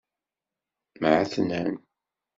Mɛetnan.